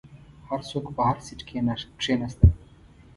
هر څوک په هر سیټ کښیناستل.